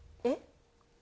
えっ？